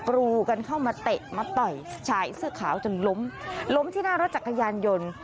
รูกันเข้ามาเตะมาต่อยชายเสื้อขาวจนล้มล้มที่หน้ารถจักรยานยนต์